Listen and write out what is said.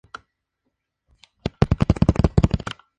National Tour Audition Casting".